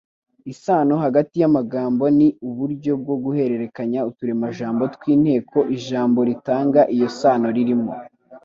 Isano hagati y’amagambo ni uburyo bwo guhererekanya uturemajambo tw’inteko ijambo ritanga iyo sano ririmo.